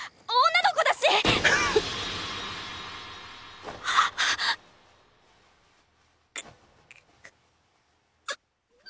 女の子だしッ！あっ。